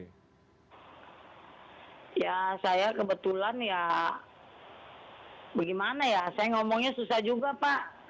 ya saya kebetulan ya bagaimana ya saya ngomongnya susah juga pak